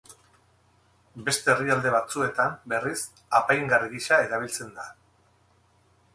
Beste herrialde batzuetan, berriz, apaingarri gisa erabiltzen da.